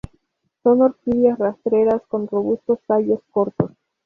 Son orquídeas rastreras con robustos tallos cortos.